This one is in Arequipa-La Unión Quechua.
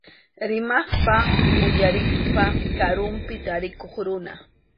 Rimaqpa uyariqpa karunpi tarikuq runa.